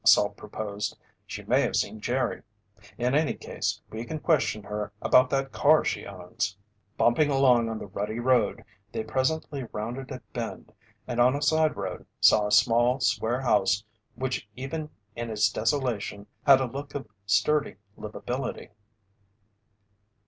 Salt proposed. "She may have seen Jerry. In any case, we can question her about that car she owns." Bumping along on the rutty road, they presently rounded a bend and on a sideroad saw a small, square house which even in its desolation had a look of sturdy liveability.